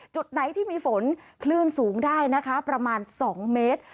จุดไหนที่มีฝนคลื่นสูงได้นะคะประมาณ๒เมตร